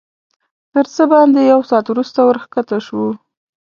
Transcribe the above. تر څه باندې یو ساعت وروسته ورښکته شوو.